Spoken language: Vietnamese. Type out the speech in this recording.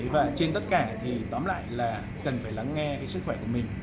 và trên tất cả thì tóm lại là cần phải lắng nghe sức khỏe của mình